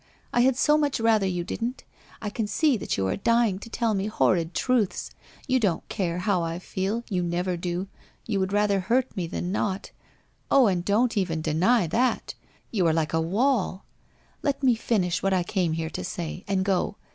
I had so much rather you didn't. I can see that you are dying to tell me horrid truths. You don't care how I feel, you never do, you would rather hurt me than not. ... Oh, and you don't even deny that ! You are like a wall. ... Let me finish what I came here to say and go.